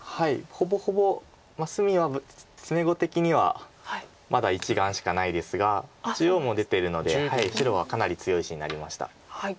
ほぼほぼ隅は詰碁的にはまだ１眼しかないですが中央も出てるので白はかなり強い石になりました。